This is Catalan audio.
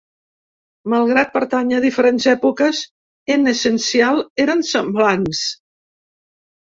Malgrat pertànyer a diferents èpoques, en l’essencial eren semblants.